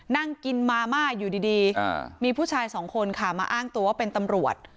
นั่งกินมาม่าอยู่ดีมีผู้ชายสองคนค่ะมาอ้างตัวเป็นตำรวจ